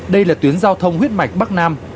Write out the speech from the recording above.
đây là tuyến giao thông huyết mạch bắc nam